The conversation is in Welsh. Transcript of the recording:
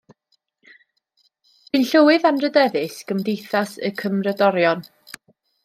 Bu'n llywydd Anrhydeddus Gymdeithas y Cymrodorion.